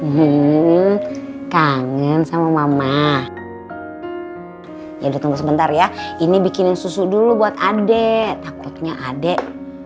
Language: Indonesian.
hmm kangen sama mama ya ditunggu sebentar ya ini bikinin susu dulu buat adek takutnya adik